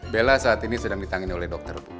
bella saat ini sedang ditangin oleh dokter